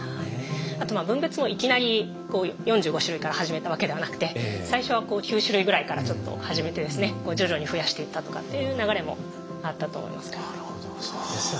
あと分別もいきなり４５種類から始めたわけではなくて最初は９種類ぐらいからちょっと始めてですね徐々に増やしていったとかっていう流れもあったと思います。